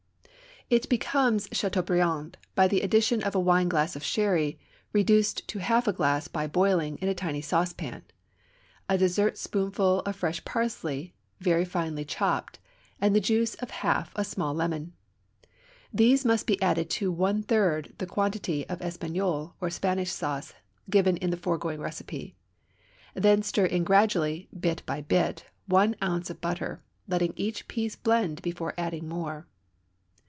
It becomes Châteaubriand by the addition of a wineglass of sherry reduced to half a glass by boiling in a tiny saucepan, a dessertspoonful of fresh parsley very finely chopped, and the juice of half a small lemon. These must be added to one third the quantity of Espagnole, or Spanish sauce, given in the foregoing recipe. Then stir in gradually, bit by bit, one ounce of butter, letting each piece blend before adding more.